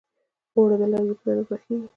اوړه د لرګي پر تنور پخیږي